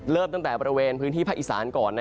เริ่มตั้งแต่บริเวณพื้นที่ภาคอีสานก่อน